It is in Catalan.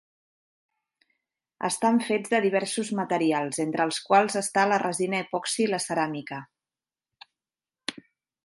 Estan fets de diversos materials, entre els quals està la resina epoxi i la ceràmica.